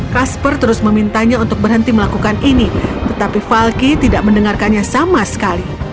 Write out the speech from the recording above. kasper terus memintanya untuk berhenti melakukan ini tetapi falky tidak mendengarkannya sama sekali